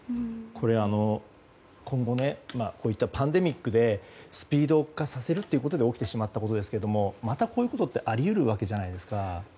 これってこういったパンデミックでスピード化させることで起きてしまったことですけどもまた、こういうことってあり得るわけじゃないですか。